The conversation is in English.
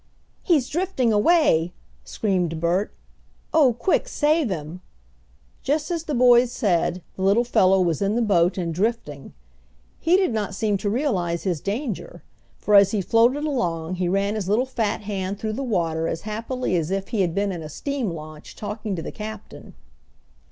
"He's drifting away!" screamed Bert. "Oh, quick, save him!" Just as the boys said, the little fellow was in the boat and drifting. He did not seem to realize his danger, for as he floated along he ran his little fat hand through the water as happily as if he had been in a steam launch, talking to the captain.